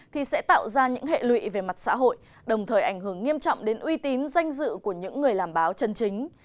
thì sẽ tạo ra những hệ lụy về mặt xã hội đồng thời ảnh hưởng nghiêm trọng đến uy tín danh dự của những người làm báo chân chính